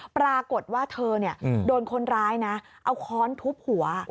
ปรากฏว่าเธอโดนคนร้ายนะเอาค้อนทุบหัว